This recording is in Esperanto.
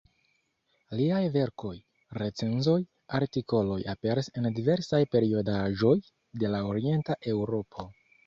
Liaj verkoj, recenzoj, artikoloj aperis en diversaj periodaĵoj de la Orienta Eŭropo.